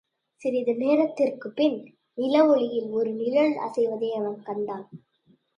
சிறிது நேரத்திற்குப்பின் நிலவொளியில் ஒரு நிழல் அசைவதை அவன் கண்டான்.